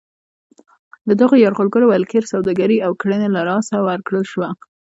د دغو یرغلګرو ولکې سوداګري او کرنه له لاسه ورکړل شوه.